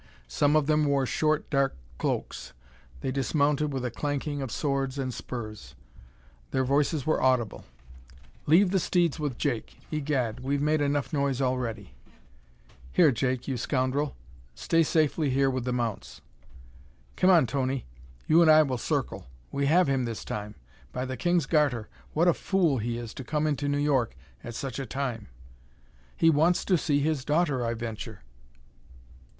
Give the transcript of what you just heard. Some of them wore short, dark cloaks. They dismounted with a clanking of swords and spurs. Their voices were audible. "Leave the steeds with Jake. Egad, we've made enough noise already." "Here, Jake, you scoundrel. Stay safely here with the mounts." "Come on, Tony. You and I will circle. We have him, this time. By the King's garter, what a fool he is to come into New York at such a time!" "He wants to see his daughter, I venture."